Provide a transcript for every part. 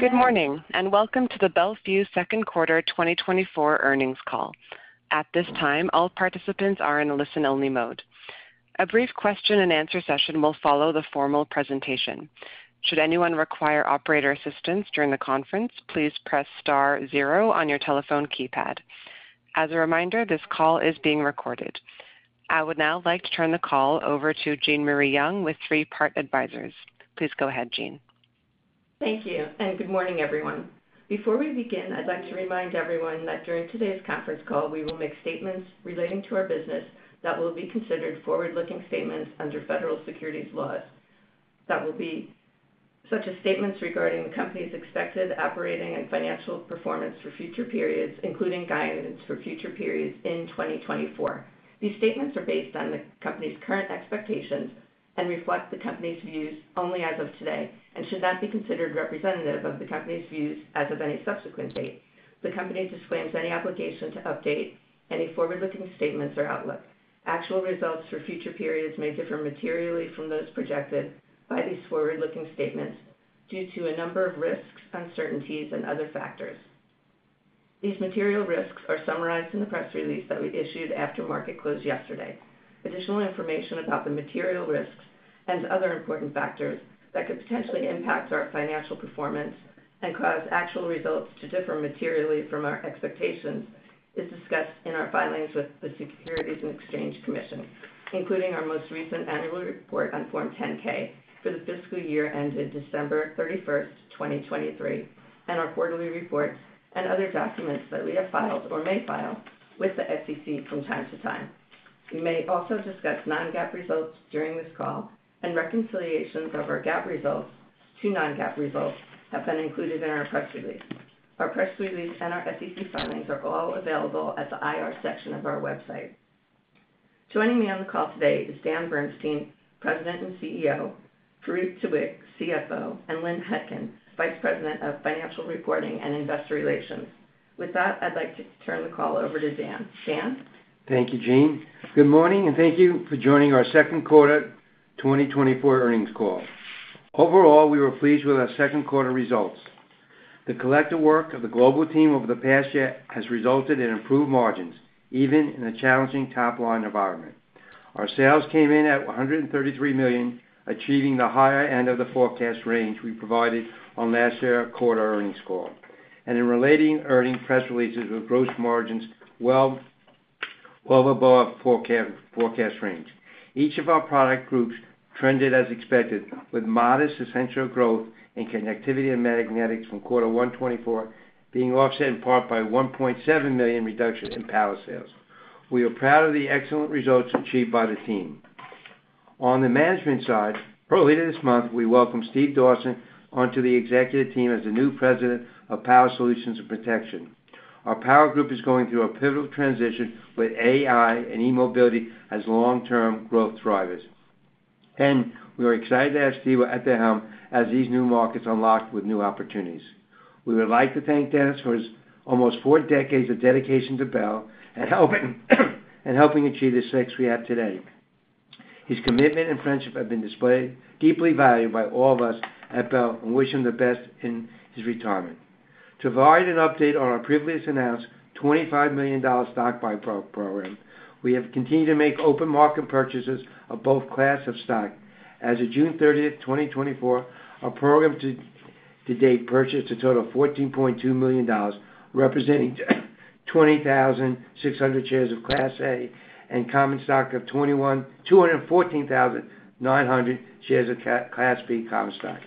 Good morning and welcome to the Bel Fuse second quarter 2024 earnings call. At this time, all participants are in a listen-only mode. A brief question-and-answer session will follow the formal presentation. Should anyone require operator assistance during the conference, please press star zero on your telephone keypad. As a reminder, this call is being recorded. I would now like to turn the call over to Jean Marie Young with Three Part Advisors. Please go ahead, Jean. Thank you and good morning, everyone. Before we begin, I'd like to remind everyone that during today's conference call, we will make statements relating to our business that will be considered forward-looking statements under federal securities laws. That will be such as statements regarding the company's expected operating and financial performance for future periods, including guidance for future periods in 2024. These statements are based on the company's current expectations and reflect the company's views only as of today and should not be considered representative of the company's views as of any subsequent date. The company disclaims any obligation to update any forward-looking statements or outlook. Actual results for future periods may differ materially from those projected by these forward-looking statements due to a number of risks, uncertainties, and other factors. These material risks are summarized in the press release that we issued after market close yesterday. Additional information about the material risks and other important factors that could potentially impact our financial performance and cause actual results to differ materially from our expectations is discussed in our filings with the Securities and Exchange Commission, including our most recent annual report on Form 10-K for the fiscal year ended December 31st, 2023, and our quarterly reports and other documents that we have filed or may file with the SEC from time to time. We may also discuss non-GAAP results during this call, and reconciliations of our GAAP results to non-GAAP results have been included in our press release. Our press release and our SEC filings are all available at the IR section of our website. Joining me on the call today is Dan Bernstein, President and CEO, Farouq Tuweiq, CFO, and Lynn Hutkin, Vice President of Financial Reporting and Investor Relations. With that, I'd like to turn the call over to Dan. Dan. Thank you, Jean. Good morning and thank you for joining our second quarter 2024 earnings call. Overall, we were pleased with our second quarter results. The collective work of the global team over the past year has resulted in improved margins, even in a challenging top-line environment. Our sales came in at $133 million, achieving the higher end of the forecast range we provided on last quarter's earnings call and in related earnings press releases with gross margins well above forecast range. Each of our product groups trended as expected, with modest sequential growth in connectivity and magnetics from first quarter 2024 being offset in part by a $1.7 million reduction in power sales. We are proud of the excellent results achieved by the team. On the management side, earlier this month, we welcomed Steve Dawson onto the executive team as the new President of Power Solutions and Protection. Our power group is going through a pivotal transition with AI and e-Mobility as long-term growth drivers, and we are excited to have Steve at the helm as these new markets unlock new opportunities. We would like to thank Dennis for his almost four decades of dedication to Bel and helping achieve the success we have today. His commitment and friendship have been deeply valued by all of us at Bel, and wish him the best in his retirement. To provide an update on our previously announced $25 million stock buyback program, we have continued to make open market purchases of both classes of stock. As of June 30th, 2024, our program to date purchased a total of $14.2 million, representing 20,600 shares of Class A common stock and 214,900 shares of Class B common stock.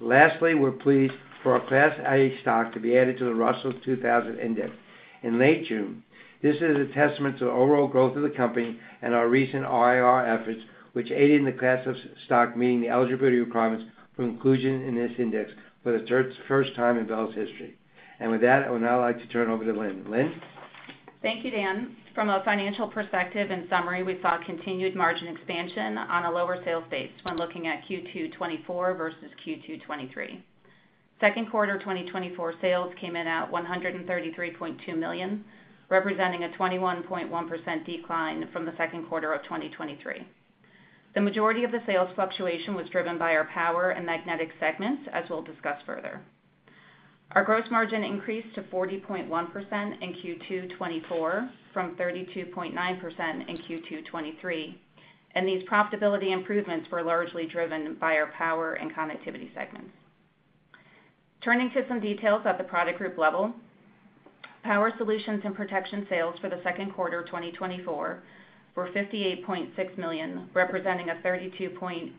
Lastly, we're pleased for our Class A stock to be added to the Russell 2000 index in late June. This is a testament to the overall growth of the company and our recent IR efforts, which aided in the class of stock meeting the eligibility requirements for inclusion in this index for the first time in Bel's history. And with that, I would now like to turn it over to Lynn. Lynn. Thank you, Dan. From a financial perspective, in summary, we saw continued margin expansion on a lower sales base when looking at Q2 2024 versus Q2 2023. Second quarter 2024 sales came in at $133.2 million, representing a 21.1% decline from the second quarter of 2023. The majority of the sales fluctuation was driven by our power and magnetic segments, as we'll discuss further. Our gross margin increased to 40.1% in Q2 2024 from 32.9% in Q2 2023, and these profitability improvements were largely driven by our power and connectivity segments. Turning to some details at the product group level, Power Solutions and Protection sales for the second quarter 2024 were $58.6 million, representing a 32.8%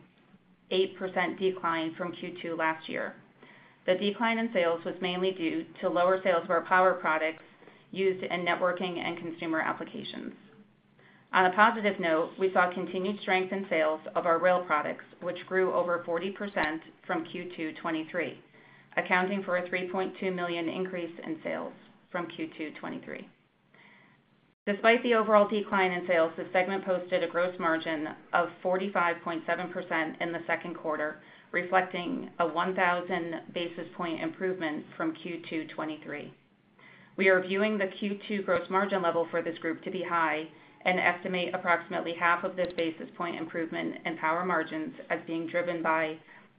decline from Q2 last year. The decline in sales was mainly due to lower sales of our power products used in networking and consumer applications. On a positive note, we saw continued strength in sales of our rail products, which grew over 40% from Q2 2023, accounting for a $3.2 million increase in sales from Q2 2023. Despite the overall decline in sales, the segment posted a gross margin of 45.7% in the second quarter, reflecting a 1,000 basis points improvement from Q2 2023. We are viewing the Q2 gross margin level for this group to be high and estimate approximately half of this basis points improvement in power margins as being driven by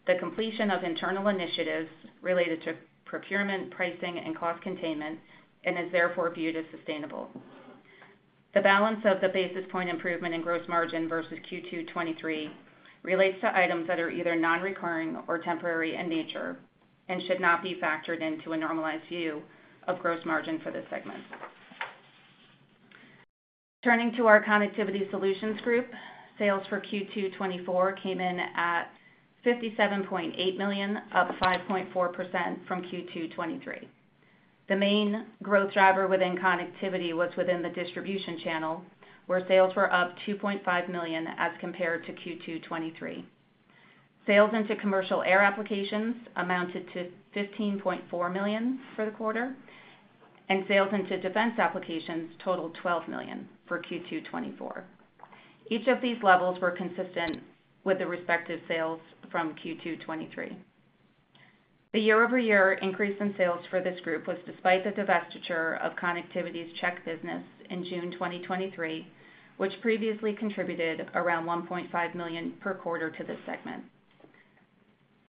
the completion of internal initiatives related to procurement, pricing, and cost containment, and is therefore viewed as sustainable. The balance of the basis points improvement in gross margin versus Q2 2023 relates to items that are either non-recurring or temporary in nature and should not be factored into a normalized view of gross margin for this segment. Turning to our Connectivity Solutions group, sales for Q2 2024 came in at $57.8 million, up 5.4% from Q2 2023. The main growth driver within Connectivity was within the distribution channel, where sales were up $2.5 million as compared to Q2 2023. Sales into commercial air applications amounted to $15.4 million for the quarter, and sales into defense applications totaled $12 million for Q2 2024. Each of these levels were consistent with the respective sales from Q2 2023. The year-over-year increase in sales for this group was despite the divestiture of Connectivity's Czech business in June 2023, which previously contributed around $1.5 million per quarter to this segment.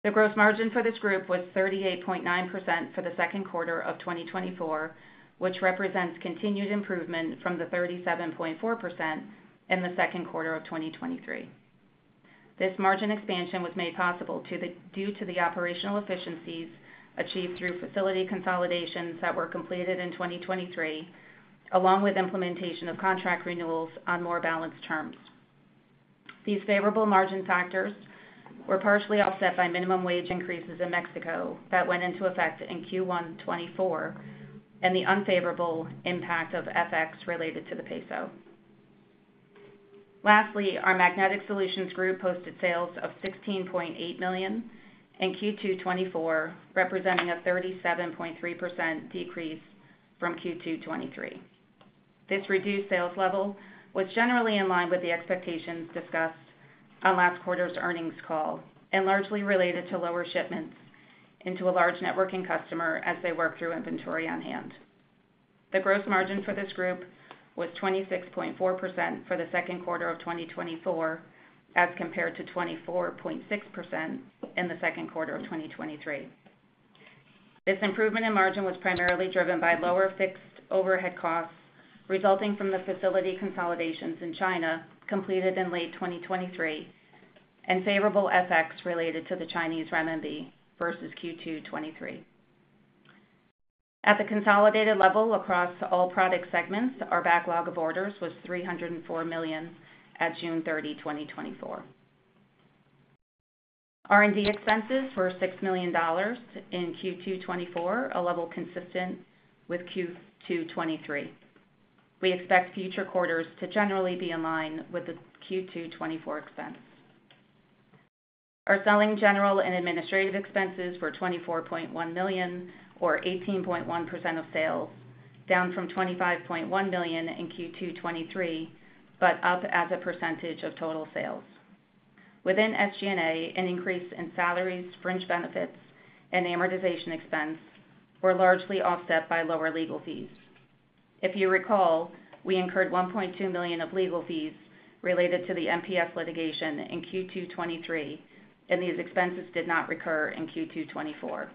The gross margin for this group was 38.9% for the second quarter of 2024, which represents continued improvement from the 37.4% in the second quarter of 2023. This margin expansion was made possible due to the operational efficiencies achieved through facility consolidations that were completed in 2023, along with implementation of contract renewals on more balanced terms. These favorable margin factors were partially offset by minimum wage increases in Mexico that went into effect in Q1 2024 and the unfavorable impact of FX related to the peso. Lastly, our Magnetic Solutions group posted sales of $16.8 million in Q2 2024, representing a 37.3% decrease from Q2 2023. This reduced sales level was generally in line with the expectations discussed on last quarter's earnings call and largely related to lower shipments into a large networking customer as they work through inventory on hand. The gross margin for this group was 26.4% for the second quarter of 2024, as compared to 24.6% in the second quarter of 2023. This improvement in margin was primarily driven by lower fixed overhead costs resulting from the facility consolidations in China completed in late 2023 and favorable FX related to the Chinese renminbi versus Q2 2023. At the consolidated level across all product segments, our backlog of orders was $304 million at June 30, 2024. R&D expenses were $6 million in Q2 2024, a level consistent with Q2 2023. We expect future quarters to generally be in line with the Q2 2024 expense. Our selling general and administrative expenses were $24.1 million, or 18.1% of sales, down from $25.1 million in Q2 2023, but up as a percentage of total sales. Within SG&A, an increase in salaries, fringe benefits, and amortization expense were largely offset by lower legal fees. If you recall, we incurred $1.2 million of legal fees related to the MPS litigation in Q2 2023, and these expenses did not recur in Q2 2024.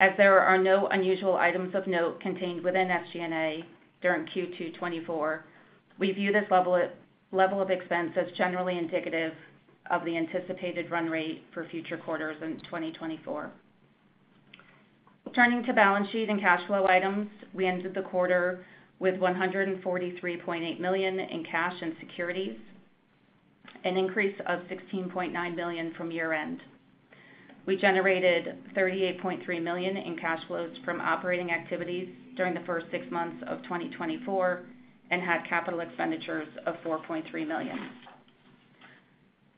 As there are no unusual items of note contained within SG&A during Q2 2024, we view this level of expense as generally indicative of the anticipated run rate for future quarters in 2024. Turning to balance sheet and cash flow items, we ended the quarter with $143.8 million in cash and securities, an increase of $16.9 million from year-end. We generated $38.3 million in cash flows from operating activities during the first six months of 2024 and had capital expenditures of $4.3 million.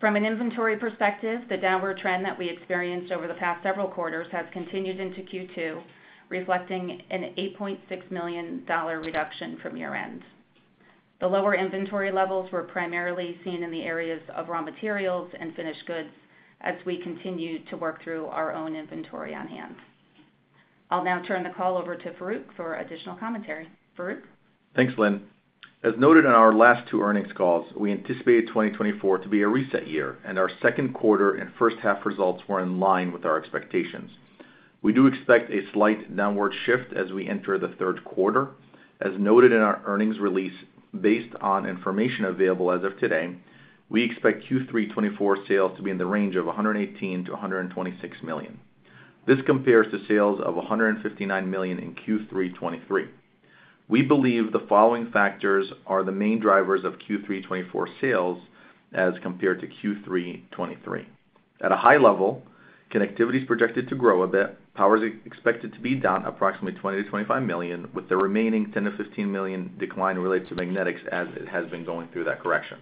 From an inventory perspective, the downward trend that we experienced over the past several quarters has continued into Q2, reflecting an $8.6 million reduction from year-end. The lower inventory levels were primarily seen in the areas of raw materials and finished goods as we continue to work through our own inventory on hand. I'll now turn the call over to Farouq for additional commentary. Farouq. Thanks, Lynn. As noted in our last two earnings calls, we anticipated 2024 to be a reset year, and our second quarter and first half results were in line with our expectations. We do expect a slight downward shift as we enter the third quarter. As noted in our earnings release, based on information available as of today, we expect Q3 2024 sales to be in the range of $118-$126 million. This compares to sales of $159 million in Q3 2023. We believe the following factors are the main drivers of Q3 2024 sales as compared to Q3 2023. At a high level, connectivity is projected to grow a bit. Power is expected to be down approximately $20-$25 million, with the remaining $10-$15 million decline related to magnetics as it has been going through that correction.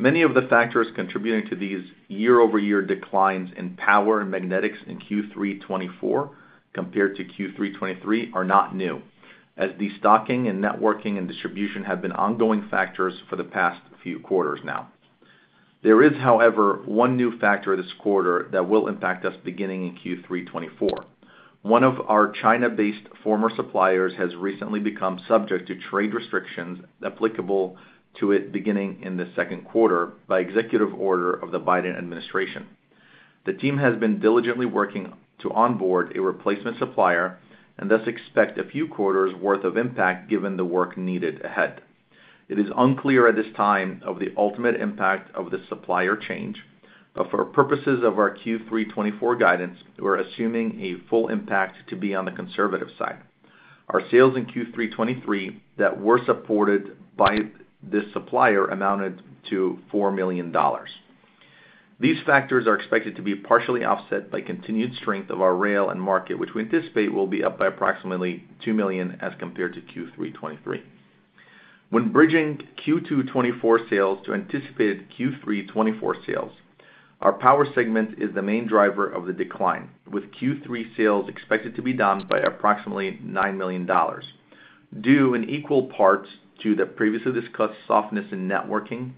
Many of the factors contributing to these year-over-year declines in power and magnetics in Q3 2024 compared to Q3 2023 are not new, as destocking and networking and distribution have been ongoing factors for the past few quarters now. There is, however, one new factor this quarter that will impact us beginning in Q3 2024. One of our China-based former suppliers has recently become subject to trade restrictions applicable to it beginning in the second quarter by executive order of the Biden administration. The team has been diligently working to onboard a replacement supplier and thus expect a few quarters' worth of impact given the work needed ahead. It is unclear at this time of the ultimate impact of the supplier change, but for purposes of our Q3 2024 guidance, we're assuming a full impact to be on the conservative side. Our sales in Q3 2023 that were supported by this supplier amounted to $4 million. These factors are expected to be partially offset by continued strength of our rail end market, which we anticipate will be up by approximately $2 million as compared to Q3 2023. When bridging Q2 2024 sales to anticipated Q3 2024 sales, our power segment is the main driver of the decline, with Q3 sales expected to be down by approximately $9 million, due in equal parts to the previously discussed softness in networking,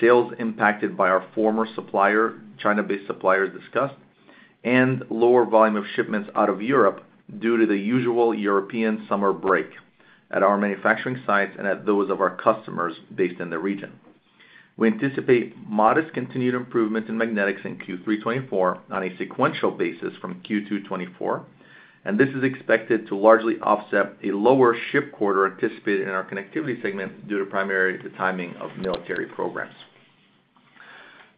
sales impacted by our former supplier, China-based suppliers discussed, and lower volume of shipments out of Europe due to the usual European summer break at our manufacturing sites and at those of our customers based in the region. We anticipate modest continued improvement in magnetics in Q3 2024 on a sequential basis from Q2 2024, and this is expected to largely offset a lower ship quarter anticipated in our connectivity segment due to primarily the timing of military programs.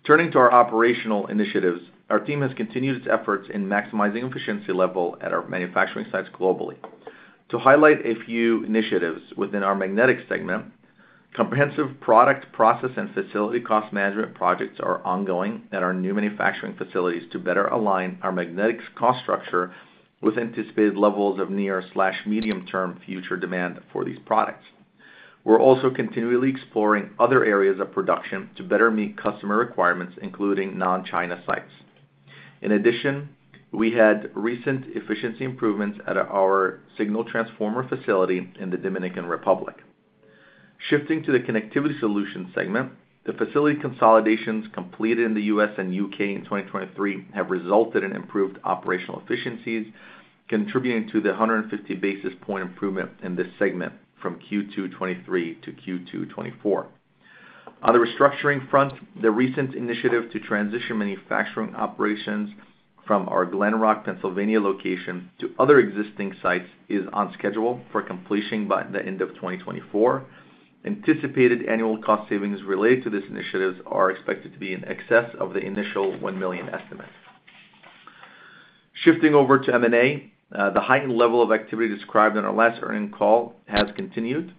Turning to our operational initiatives, our team has continued its efforts in maximizing efficiency level at our manufacturing sites globally. To highlight a few initiatives within our magnetic segment, comprehensive product process and facility cost management projects are ongoing at our new manufacturing facilities to better align our magnetics cost structure with anticipated levels of near/medium-term future demand for these products. We're also continually exploring other areas of production to better meet customer requirements, including non-China sites. In addition, we had recent efficiency improvements at our Signal Transformer facility in the Dominican Republic. Shifting to the Connectivity Solutions segment, the facility consolidations completed in the U.S. and U.K. in 2023 have resulted in improved operational efficiencies, contributing to the 150 basis point improvement in this segment from Q2 2023 to Q2 2024. On the restructuring front, the recent initiative to transition manufacturing operations from our Glen Rock, Pennsylvania location to other existing sites is on schedule for completion by the end of 2024. Anticipated annual cost savings related to this initiative are expected to be in excess of the initial $1 million estimate. Shifting over to M&A, the heightened level of activity described in our last earnings call has continued.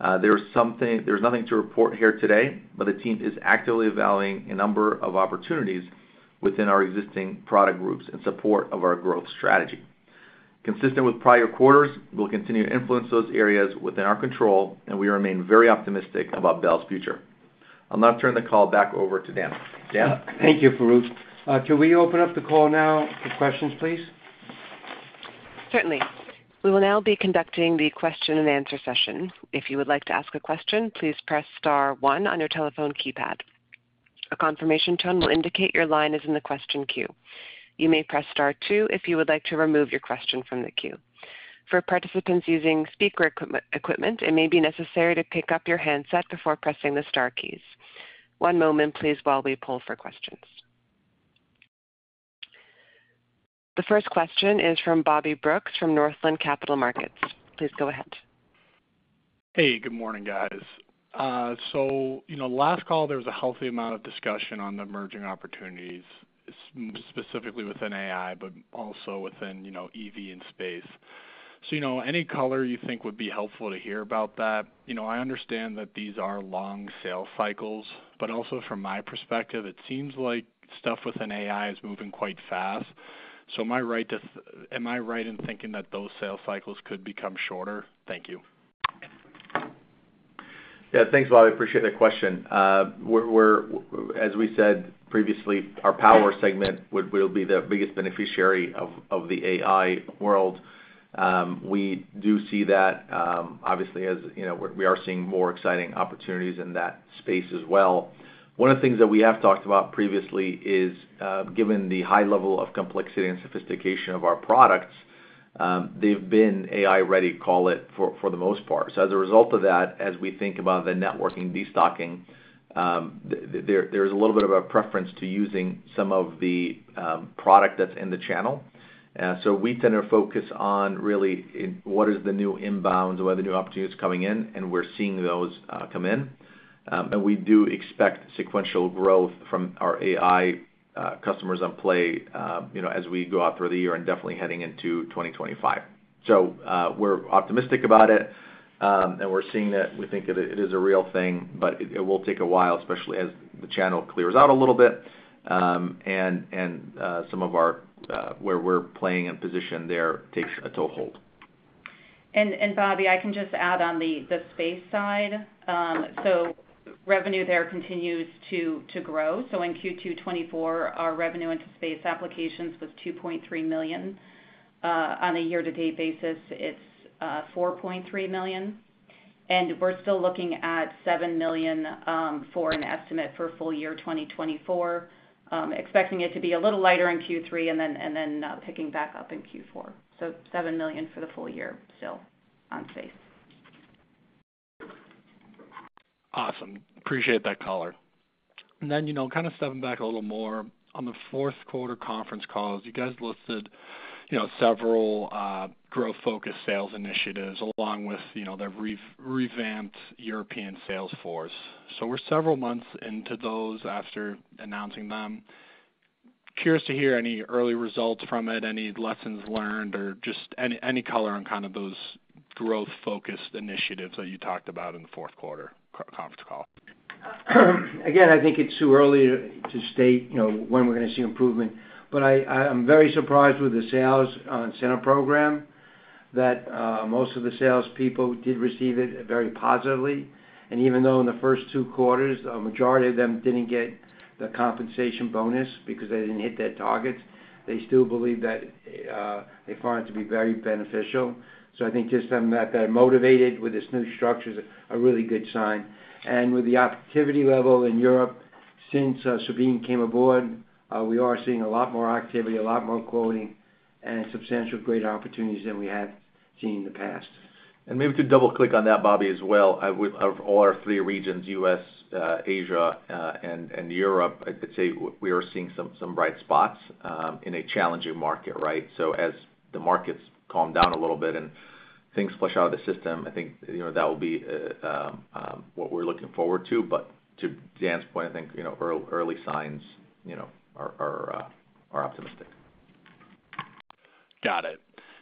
There's nothing to report here today, but the team is actively evaluating a number of opportunities within our existing product groups in support of our growth strategy. Consistent with prior quarters, we'll continue to influence those areas within our control, and we remain very optimistic about Bel's future. I'll now turn the call back over to Dan. Dan. Thank you, Farouq. Can we open up the call now for questions, please? Certainly. We will now be conducting the question-and-answer session. If you would like to ask a question, please press star one on your telephone keypad. A confirmation tone will indicate your line is in the question queue. You may press star two if you would like to remove your question from the queue. For participants using speaker equipment, it may be necessary to pick up your handset before pressing the star keys. One moment, please, while we pull for questions. The first question is from Bobby Brooks from Northland Capital Markets. Please go ahead. Hey, good morning, guys. So last call, there was a healthy amount of discussion on the emerging opportunities, specifically within AI, but also within EV and space. So any color you think would be helpful to hear about that. I understand that these are long sales cycles, but also from my perspective, it seems like stuff within AI is moving quite fast. So am I right in thinking that those sales cycles could become shorter? Thank you. Yeah, thanks, Bobby. Appreciate that question. As we said previously, our power segment will be the biggest beneficiary of the AI world. We do see that, obviously, as we are seeing more exciting opportunities in that space as well. One of the things that we have talked about previously is, given the high level of complexity and sophistication of our products, they've been AI-ready, call it, for the most part. So as a result of that, as we think about the networking destocking, there's a little bit of a preference to using some of the product that's in the channel. So we tend to focus on really what is the new inbounds, what are the new opportunities coming in, and we're seeing those come in. And we do expect sequential growth from our AI customers on play as we go out through the year and definitely heading into 2025. So we're optimistic about it, and we're seeing that we think it is a real thing, but it will take a while, especially as the channel clears out a little bit and some of where we're playing and position there takes a toe hold. Bobby, I can just add on the space side. Revenue there continues to grow. In Q2 2024, our revenue into space applications was $2.3 million. On a year-to-date basis, it's $4.3 million. We're still looking at $7 million for an estimate for full year 2024, expecting it to be a little lighter in Q3 and then picking back up in Q4. $7 million for the full year still on space. Awesome. Appreciate that color. And then, kind of stepping back a little more on the fourth quarter conference calls, you guys listed several growth-focused sales initiatives along with the revamped European sales force. So we're several months into those after announcing them. Curious to hear any early results from it, any lessons learned, or just any color on kind of those growth-focused initiatives that you talked about in the fourth quarter conference call. Again, I think it's too early to state when we're going to see improvement, but I'm very surprised with the sales incentive program that most of the salespeople did receive it very positively. And even though in the first two quarters, a majority of them didn't get the compensation bonus because they didn't hit their targets, they still believe that they find it to be very beneficial. So I think just that they're motivated with this new structure is a really good sign. And with the activity level in Europe since Sabine came aboard, we are seeing a lot more activity, a lot more quoting, and substantially greater opportunities than we have seen in the past. And maybe to double-click on that, Bobby, as well, of all our three regions, U.S., Asia, and Europe, I'd say we are seeing some bright spots in a challenging market, right? So as the markets calm down a little bit and things flush out of the system, I think that will be what we're looking forward to. But to Dan's point, I think early signs are optimistic. Got it.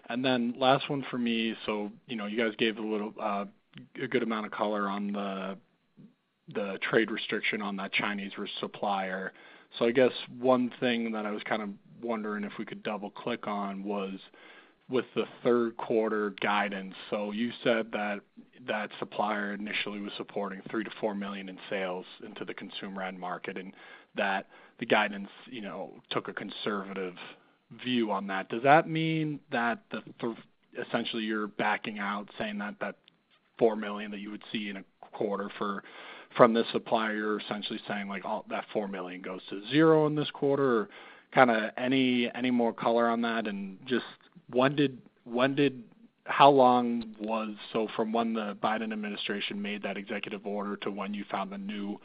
And then last one for me. So you guys gave a good amount of color on the trade restriction on that Chinese supplier. So I guess one thing that I was kind of wondering if we could double-click on was with the third quarter guidance. So you said that that supplier initially was supporting $3-$4 million in sales into the consumer end market, and that the guidance took a conservative view on that. Does that mean that essentially you're backing out saying that that $4 million that you would see in a quarter from this supplier, you're essentially saying that $4 million goes to zero in this quarter? Kind of any more color on that? And just how long was it from when the Biden administration made that executive order to when you found the new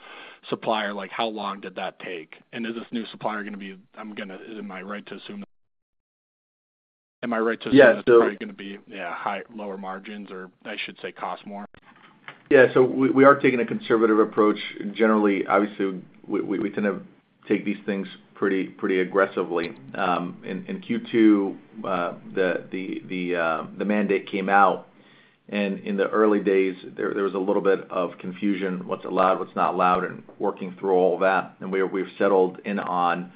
supplier, how long did that take? Is this new supplier going to be, am I right to assume that, am I right to assume that it's probably going to be, yeah, lower margins or, I should say, cost more? Yeah. So we are taking a conservative approach. Generally, obviously, we tend to take these things pretty aggressively. In Q2, the mandate came out, and in the early days, there was a little bit of confusion, what's allowed, what's not allowed, and working through all that. And where we've settled in on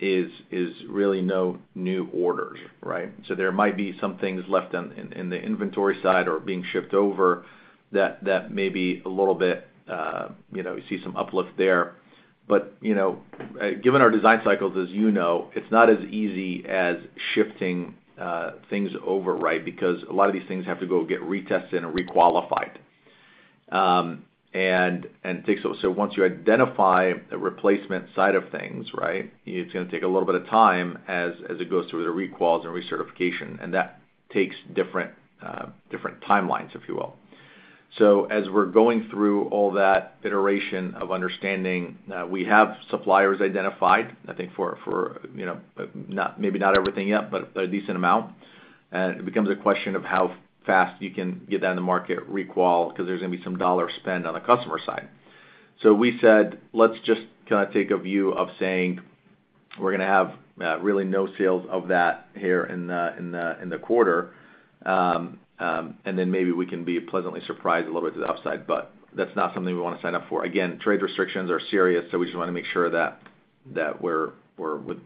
is really no new orders, right? So there might be some things left in the inventory side or being shipped over that may be a little bit, you see some uplift there. But given our design cycles, as you know, it's not as easy as shifting things over, right? Because a lot of these things have to go get retested and requalified. And so once you identify the replacement side of things, right, it's going to take a little bit of time as it goes through the recalls and recertification, and that takes different timelines, if you will. So as we're going through all that iteration of understanding, we have suppliers identified, I think, for maybe not everything yet, but a decent amount. And it becomes a question of how fast you can get that in the market recall because there's going to be some dollar spend on the customer side. So we said, "Let's just kind of take a view of saying we're going to have really no sales of that here in the quarter," and then maybe we can be pleasantly surprised a little bit to the upside, but that's not something we want to sign up for. Again, trade restrictions are serious, so we just want to make sure that we're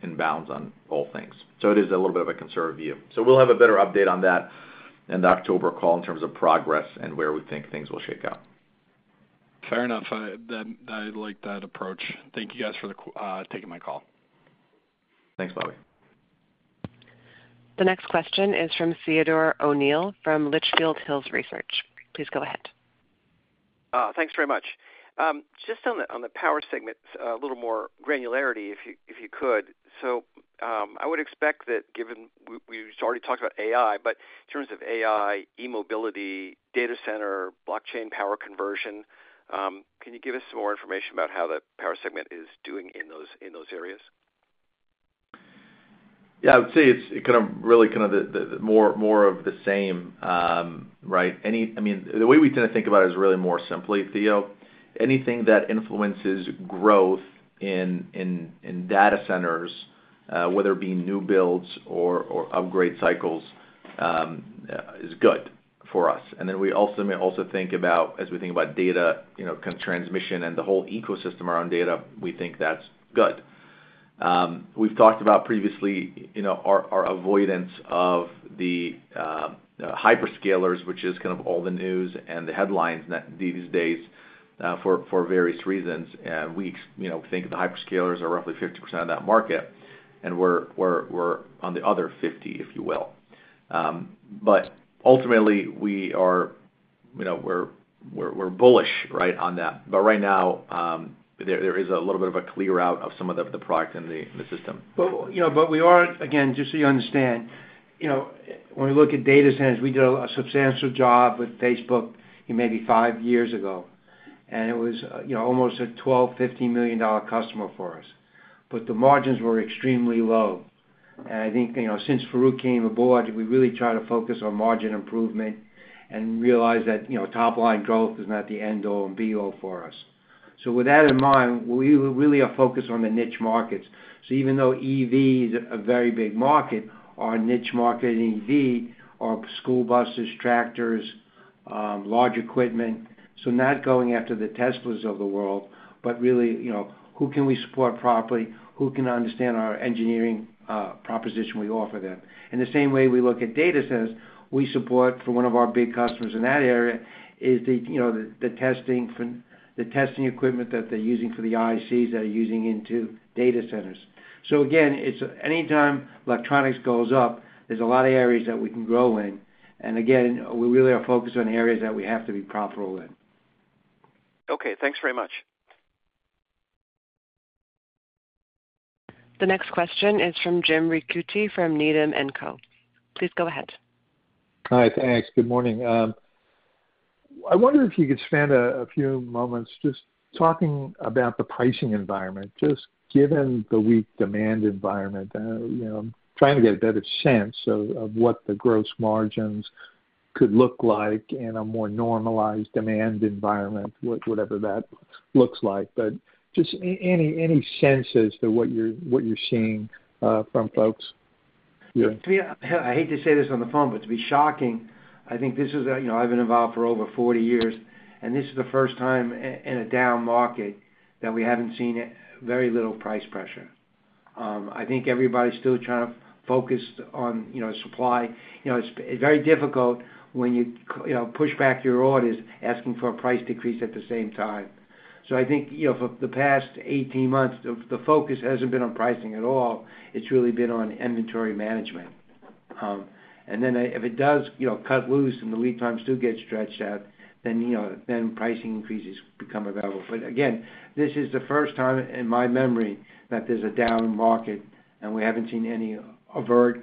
in bounds on all things. So it is a little bit of a conservative view. We'll have a better update on that in the October call in terms of progress and where we think things will shake out. Fair enough. I like that approach. Thank you guys for taking my call. Thanks, Bobby. The next question is from Theodore O'Neill from Litchfield Hills Research. Please go ahead. Thanks very much. Just on the power segment, a little more granularity, if you could. So I would expect that given we've already talked about AI, but in terms of AI, e-mobility, data center, blockchain power conversion, can you give us some more information about how the power segment isdoing in those areas? Yeah, I would say it's kind of really kind of more of the same, right? I mean, the way we tend to think about it is really more simply, Theo. Anything that influences growth in data centers, whether it be new builds or upgrade cycles, is good for us. And then we also think about, as we think about data kind of transmission and the whole ecosystem around data, we think that's good. We've talked about previously our avoidance of the hyperscalers, which is kind of all the news and the headlines these days for various reasons. And we think the hyperscalers are roughly 50% of that market, and we're on the other 50, if you will. But ultimately, we're bullish, right, on that. But right now, there is a little bit of a clear out of some of the product in the system. But we are, again, just so you understand, when we look at data centers, we did a substantial job with Facebook maybe five years ago, and it was almost a $12-$15 million customer for us. But the margins were extremely low. I think since Farouq came aboard, we really tried to focus on margin improvement and realize that top-line growth is not the end-all and be-all for us. So with that in mind, we really are focused on the niche markets. So even though EV is a very big market, our niche market in EV are school buses, tractors, large equipment. So not going after the Teslas of the world, but really, who can we support properly? Who can understand our engineering proposition we offer them? In the same way, we look at data centers. We support for one of our big customers in that area is the testing equipment that they're using for the ICs that are using into data centers. So again, anytime electronics goes up, there's a lot of areas that we can grow in. And again, we really are focused on areas that we have to be profitable in. Okay. Thanks very much. The next question is from Jim Ricchiuti from Needham & Co. Please go ahead. Hi, thanks. Good morning. I wonder if you could spend a few moments just talking about the pricing environment. Just given the weak demand environment, I'm trying to get a better sense of what the gross margins could look like in a more normalized demand environment, whatever that looks like. But just any sense of what you're seeing from folks. I hate to say this on the phone, but to be shocking, I think this is. I've been involved for over 40 years, and this is the first time in a down market that we haven't seen very little price pressure. I think everybody's still trying to focus on supply. It's very difficult when you push back your orders asking for a price decrease at the same time. So I think for the past 18 months, the focus hasn't been on pricing at all. It's really been on inventory management. And then if it does cut loose and the lead times do get stretched out, then pricing increases become available. But again, this is the first time in my memory that there's a down market, and we haven't seen any overt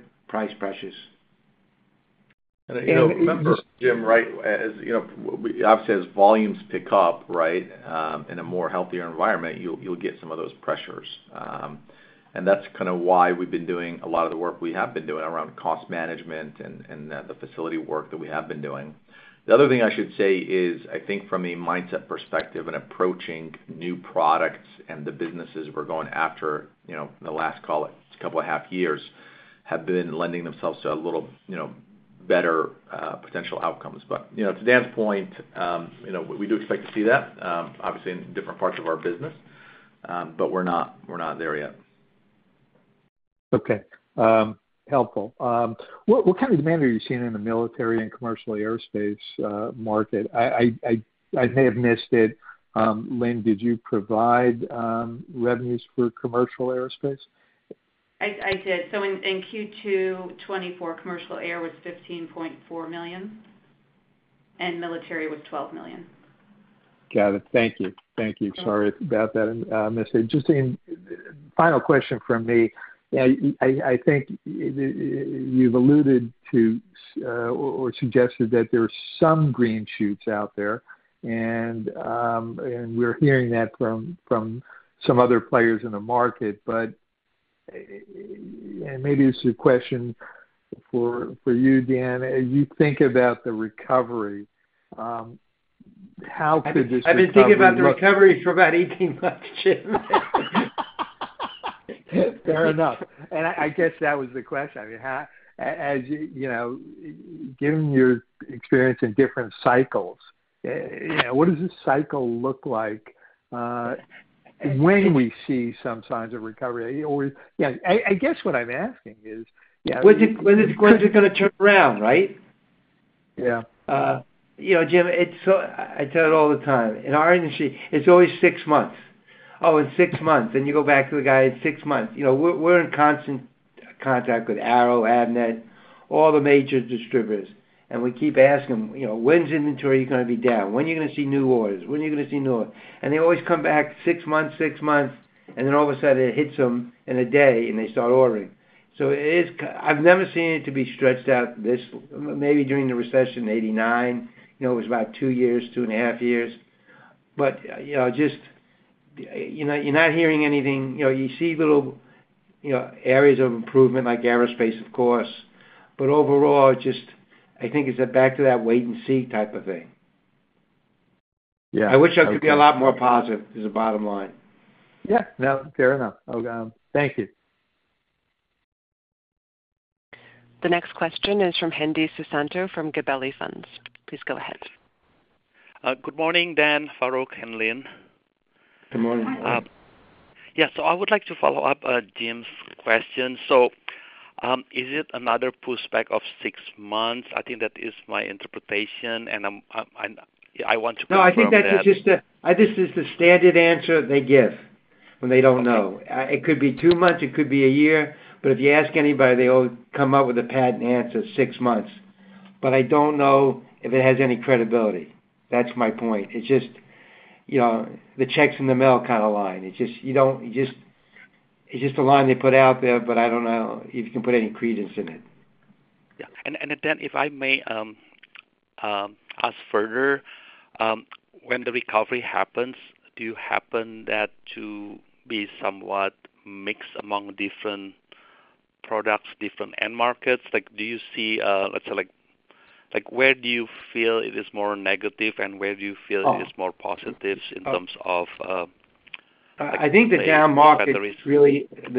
pricepressures. Just, Jim, right, obviously, as volumes pick up, right, in a more healthier environment, you'll get some of those pressures. And that's kind of why we've been doing a lot of the work we have been doing around cost management and the facility work that we have been doing. The other thing I should say is, I think from a mindset perspective and approaching new products and the businesses we're going after, the last call, a couple of half years have been lending themselves to a little better potential outcomes. But to Dan's point, we do expect to see that, obviously, in different parts of our business, but we're not there yet. Okay. Helpful. What kind of demand are you seeing in the military and commercial aerospace market? I may have missed it. Lynn, did you provide revenues for commercial aerospace? I did. So in Q2 2024, commercial air was $15.4 million, and military was $12 million. Got it. Thank you. Thank you. Sorry about that mistake. Just a final question from me. I think you've alluded to or suggested that there are some green shoots out there, and we're hearing that from some other players in the market. But maybe it's a question for you, Dan. As you think about the recovery, how could this impact? I've been thinking about the recovery for about 18 months, Jim. Fair enough. I guess that was the question. Given your experience in different cycles, what does a cycle look like when we see some signs of recovery? Yeah. I guess what I'm asking is, yeah. When's it going to turn around, right? Yeah. Jim, I tell it all the time. In our industry, it's always 6 months. "Oh, in 6 months." Then you go back to the guy, "6 months." We're in constant contact with Arrow, Avnet, all the major distributors. And we keep asking them, "When's inventory going to be down? When are you going to see new orders? When are you going to see new orders?" And they always come back, "6 months, 6 months." And then all of a sudden, it hits them in a day, and they start ordering. So I've never seen it to be stretched out this maybe during the recession, 1989. It was about 2 years, 2.5 years. But just you're not hearing anything. You see little areas of improvement, like aerospace, of course. But overall, just I think it's back to that wait-and-see type of thing. I wish I could be a lot more positive. This is the bottom line. Yeah. No, fair enough. Thank you. The next question is from Henry Susanto from Gabelli Funds. Please go ahead. Good morning, Dan, Farouq, and Lynn. Good morning. Yes. So I would like to follow up Jim's question. So is it another pushback of six months? I think that is my interpretation, and I want to confirm. No, I think that's just—this is the standard answer they give when they don't know. It could be 2 months. It could be a year. But if you ask anybody, they'll come up with a pat answer, 6 months. But I don't know if it has any credibility. That's my point. It's just the checks in the mail kind of line. It's just a line they put out there, but I don't know if you can put any credence in it. Yeah. And then, if I may ask further, when the recovery happens, do you happen that to be somewhat mixed among different products, different end markets? Do you see, let's say, where do you feel it is more negative and where do you feel it is more positive in terms of categories? I think the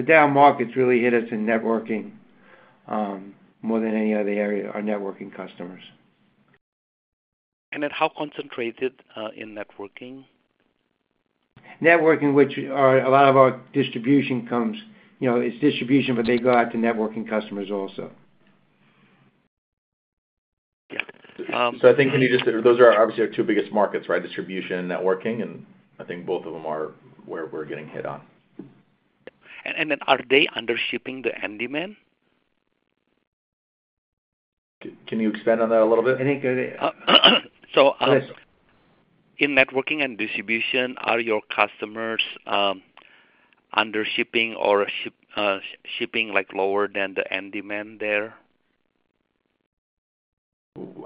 down markets really hit us in networking more than any other area, our networking customers. How concentrated in networking? Networking, which a lot of our distribution comes. It's distribution, but they go out to networking customers also. So I think those are obviously our two biggest markets, right? Distribution and networking. And I think both of them are where we're getting hit on. Are they undershipping the end demand? Can you expand on that a little bit? I think so. In networking and distribution, are your customers undershipping or shipping lower than the end demand there?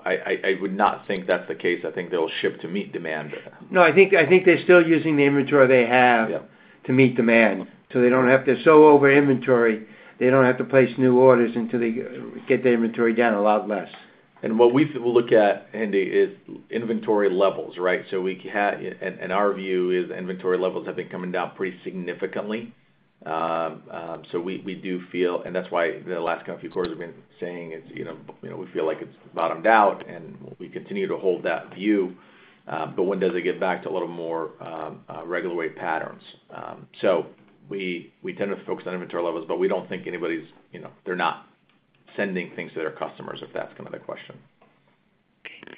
I would not think that's the case. I think they'll ship to meet demand. No, I think they're still using the inventory they have to meet demand. So they don't have to—so over inventory, they don't have to place new orders until they get their inventory down a lot less. What we will look at, Henry, is inventory levels, right? In our view, inventory levels have been coming down pretty significantly. We do feel, and that's why the last couple of quarters we've been saying we feel like it's bottomed out, and we continue to hold that view. But when does it get back to a little more regular way patterns? We tend to focus on inventory levels, but we don't think anybody's—they're not sending things to their customers, if that's kind of the question. Okay.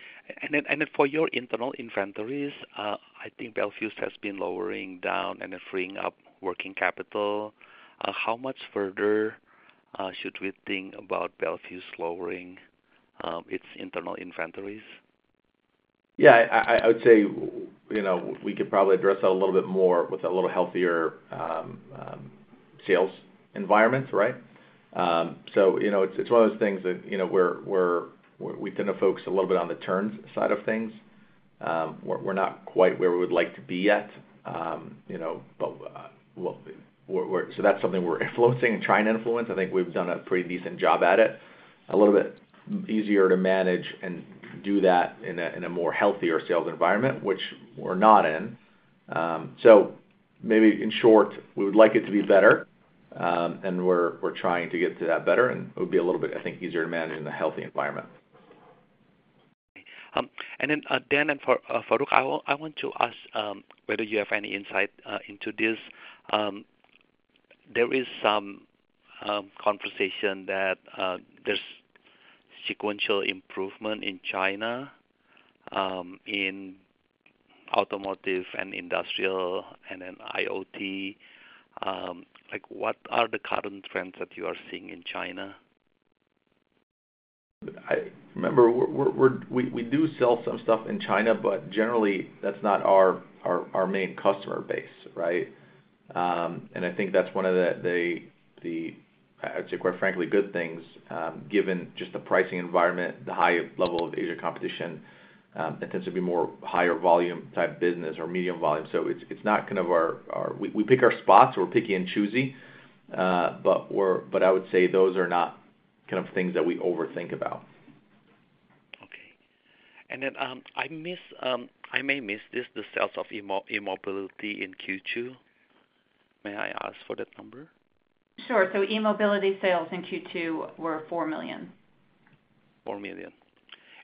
And then for your internal inventories, I think Bel Fuse has been lowering down and freeing up working capital. How much further should we think about Bel Fuse lowering its internal inventories? Yeah. I would say we could probably address that a little bit more with a little healthier sales environment, right? So it's one of those things that we tend to focus a little bit on the turns side of things. We're not quite where we would like to be yet. So that's something we're influencing and trying to influence. I think we've done a pretty decent job at it. A little bit easier to manage and do that in a more healthier sales environment, which we're not in. So maybe in short, we would like it to be better, and we're trying to get to that better. And it would be a little bit, I think, easier to manage in a healthy environment. And then, Dan and Farouq, I want to ask whether you have any insight into this. There is some conversation that there's sequential improvement in China in automotive and industrial and then IoT. What are the current trends that you are seeing in China? I remember we do sell some stuff in China, but generally, that's not our main customer base, right? And I think that's one of the, I'd say, quite frankly, good things, given just the pricing environment, the high level of Asian competition. It tends to be more higher volume type business or medium volume. So it's not kind of our—we pick our spots, or we're picky and choosy. But I would say those are not kind of things that we overthink about. Okay. Then I may miss this, the sales of e-Mobility in Q2. May I ask for that number? Sure. So e-Mobility sales in Q2 were $4 million. $4 million.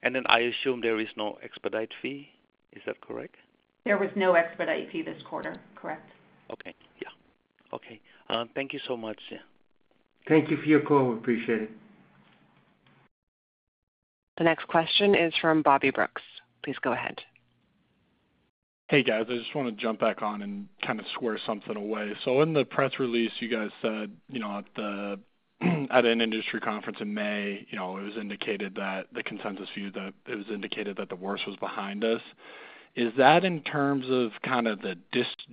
And then I assume there is no expedite fee. Is that correct? There was no expedite fee this quarter. Correct. Okay. Yeah. Okay. Thank you so much. Thank you for your call. We appreciate it. The next question is from Bobby Brooks. Please go ahead. Hey, guys. I just want to jump back on and kind of square something away. So in the press release, you guys said at an industry conference in May, it was indicated that the consensus view that it was indicated that the worst was behind us. Is that in terms of kind of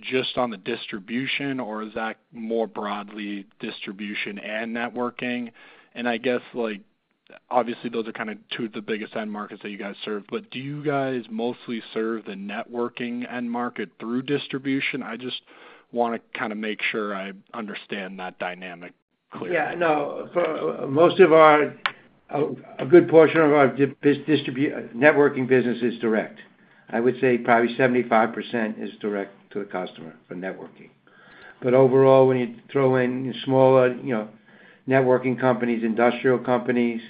just on the distribution, or is that more broadly distribution and networking? And I guess, obviously, those are kind of two of the biggest end markets that you guys serve. But do you guys mostly serve the networking end market through distribution? I just want to kind of make sure I understand that dynamic clearly. Yeah. No. A good portion of our networking business is direct. I would say probably 75% is direct to the customer for networking. But overall, when you throw in smaller networking companies, industrial companies,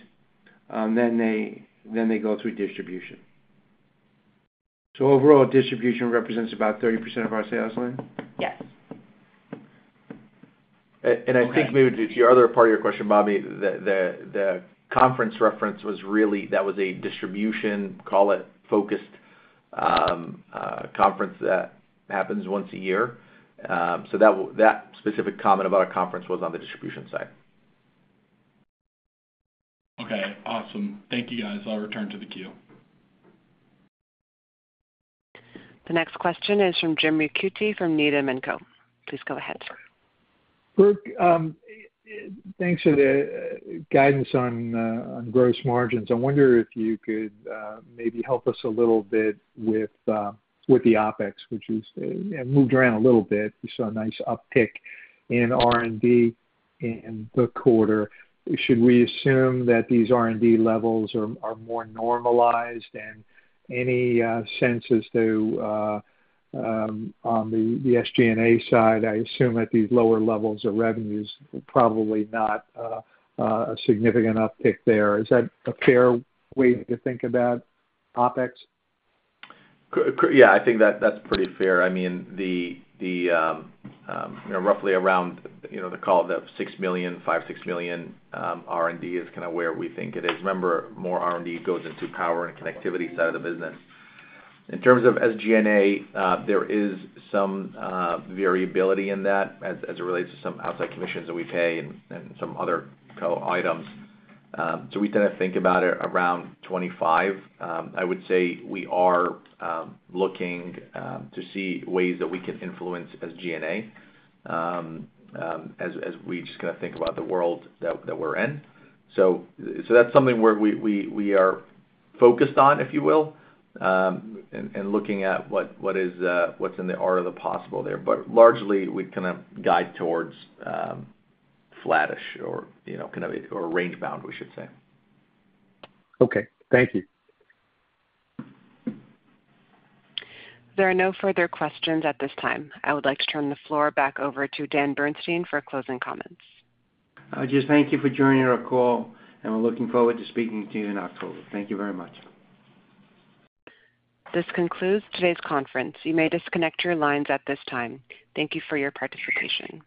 then they go through distribution. So overall, distribution represents about 30% of our sales, Lynn. Yes. I think maybe to your other part of your question, Bobby, the conference reference was really that was a distribution, call it, focused conference that happens once a year. That specific comment about a conference was on the distribution side. Okay. Awesome. Thank you, guys. I'll return to the queue. The next question is from Jim Ricchiuti from Needham & Company. Please go ahead. Thanks for the guidance on gross margins. I wonder if you could maybe help us a little bit with the OpEx, which you moved around a little bit. You saw a nice uptick in R&D in the quarter. Should we assume that these R&D levels are more normalized? And any sense on the SG&A side, I assume at these lower levels of revenues, probably not a significant uptick there. Is that a fair way to think about OpEx? Yeah. I think that's pretty fair. I mean, the roughly around the call of $6 million, $5-$6 million R&D is kind of where we think it is. Remember, more R&D goes into power and connectivity side of the business. In terms of SG&A, there is some variability in that as it relates to some outside commissions that we pay and some other items. So we tend to think about it around 25%. I would say we are looking to see ways that we can influence SG&A as we just kind of think about the world that we're in. So that's something where we are focused on, if you will, and looking at what's in the art of the possible there. But largely, we kind of guide towards flattish or kind of range-bound, we should say. Okay. Thank you. There are no further questions at this time. I would like to turn the floor back over to Dan Bernstein for closing comments. I would just thank you for joining our call, and we're looking forward to speaking to you in October. Thank you very much. This concludes today's conference. You may disconnect your lines at this time. Thank you for your participation.